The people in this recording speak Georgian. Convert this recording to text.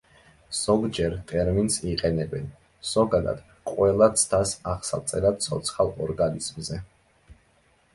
ზოგჯერ ტერმინს იყენებენ, ზოგადად, ყველა ცდას აღსაწერად ცოცხალ ორგანიზმზე.